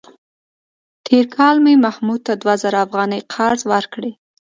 تېر کال مې محمود ته دوه زره افغانۍ قرض ورکړې.